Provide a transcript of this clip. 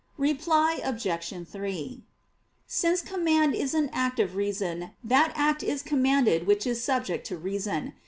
Reply Obj. 3: Since command is an act of reason, that act is commanded which is subject to reason.